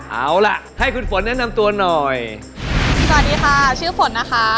เอาล่ะให้คุณฝนแนะนำตัวหน่อยสวัสดีค่ะชื่อฝนนะคะ